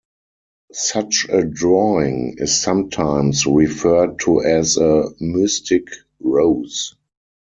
Such a drawing is sometimes referred to as a mystic rose.